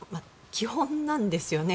基本なんですよね。